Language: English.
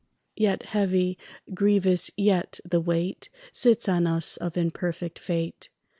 Yet heavy, grievous yet the weight Sits on us of imperfect fate.